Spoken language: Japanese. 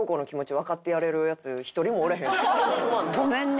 ごめんね。